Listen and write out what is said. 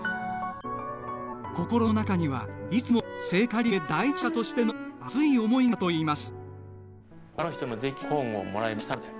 心の中には、いつも聖火リレー第１走者としての熱い思いがあったといいます。